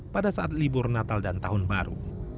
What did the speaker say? pada saat libur natal dan tahun baru